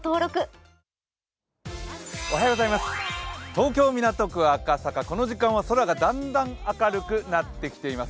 東京・港区赤坂、この時間は空がだんだん明るくなってきています。